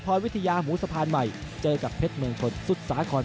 พรวิทยาหมูสะพานใหม่เจอกับเพชรเมืองชน